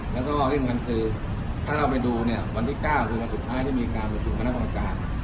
แล้วก็เรื่องกันคือถ้าเราไปดูวันที่๙ศูนย์๑๕ที่มีการบริษุบรรณภ์กรรมการ